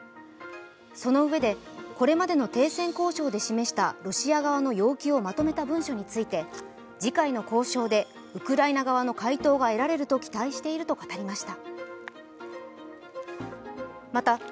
そのうえで、これまでの停戦交渉で示したロシア側の要求をまとめた文書についてし次回の交渉でウクライナ側の回答が得られると期待していると語りました。